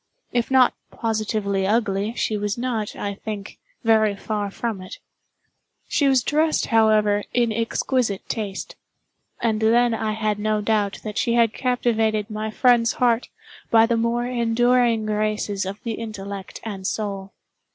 If not positively ugly, she was not, I think, very far from it. She was dressed, however, in exquisite taste—and then I had no doubt that she had captivated my friend's heart by the more enduring graces of the intellect and soul.